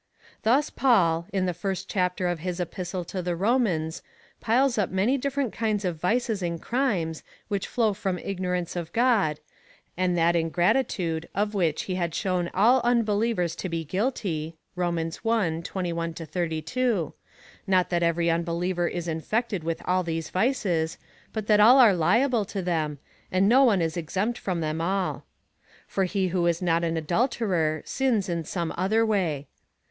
Thus Paul, in the first chapter of his Epistle to the Romans, piles up many different kinds of vices and crimes, which flow from ignorance of God, and that ingratitude, of which he had shown all unbelievers to be guilty, (Rom. i. 21 32) — not that every unbeliever is infected with all these vices, but that all are liable to them, and no one is exempt from them all. For he who is not an adulterer, sins in some other way.